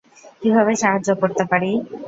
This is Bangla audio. কীভাবে সাহায্য করতে পারি?